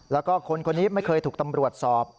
แล้วก็คนคนนี้ไม่เคยถูกตำรวจสอบ